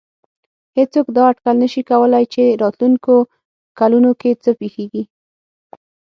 هېڅوک دا اټکل نه شي کولای چې راتلونکو کلونو کې څه پېښېږي.